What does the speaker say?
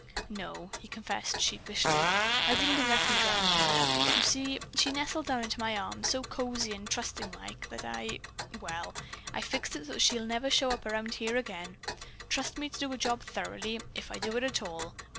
"No," he confessed sheepishly, "I didn't exactly drown her. You see, she nestled down into my arms so cozy and trusting like, that I well, I fixed it so she'll never show up around here again. Trust me to do a job thoroughly, if I do it at all.